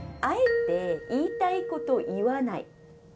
あえて言いたいこと言わない。